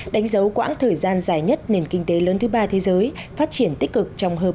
đánh dấu quãng thời gian dài nhất nền kinh tế lớn thứ ba thế giới phát triển tích cực